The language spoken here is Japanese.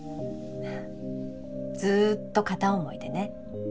ずっと片想いでね。